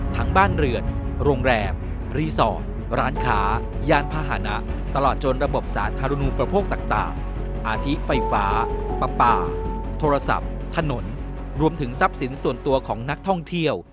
ทั้งบ้านเรือนโรงแรมรีสอร์ทร้านค้ายานพาหนะตลอดจนระบบสาธารณูประโภคต่างอาทิไฟฟ้าปลาปลาโทรศัพท์ถนนรวมถึงทรัพย์สินส่วนตัวของนักท่องเที่ยว